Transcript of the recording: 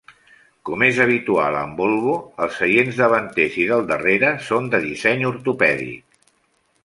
Com és habitual amb Volvo, els seients davanters i del darrere són de disseny ortopèdic.